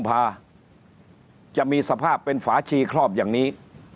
ตลาดกุมภาจะมีสภาพเป็นฝาชีครอบอย่างนี้